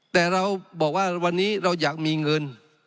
แต่เราบอกว่าวันนี้เราอยากมีเงิน